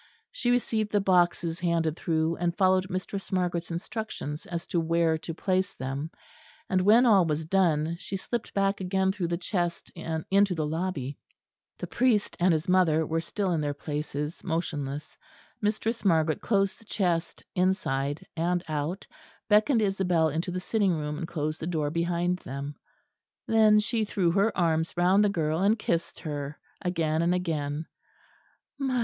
She received the boxes handed through, and followed Mistress Margaret's instructions as to where to place them; and when all was done, she slipped back again through the chest into the lobby. The priest and his mother were still in their places, motionless. Mistress Margaret closed the chest inside and out, beckoned Isabel into the sitting room and closed the door behind them. Then she threw her arms round the girl and kissed her again and again.